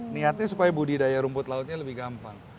niatnya supaya budidaya rumput lautnya lebih gampang